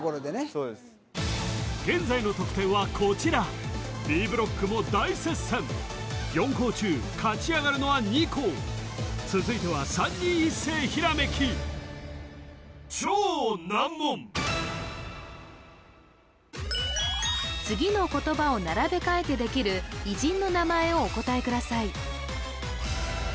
そうです現在の得点はこちらＢブロックも大接戦４校中勝ち上がるのは２校続いては３人一斉ひらめき次の言葉を並べ替えてできる偉人の名前をお答えください